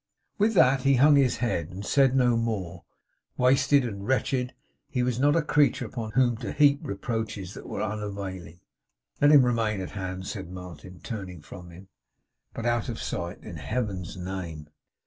With that he hung his head, and said no more, wasted and wretched, he was not a creature upon whom to heap reproaches that were unavailing. 'Let him remain at hand,' said Martin, turning from him; 'but out of sight, in Heaven's name!